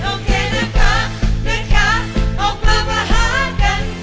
โอเคนะคะออกมามาหากัน